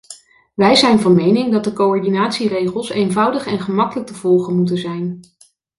Wij zijn van mening dat de coördinatieregels eenvoudig en gemakkelijk te volgen moeten zijn.